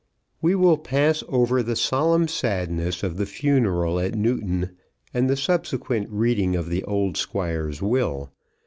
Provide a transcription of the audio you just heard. We will pass over the solemn sadness of the funeral at Newton and the subsequent reading of the old Squire's will.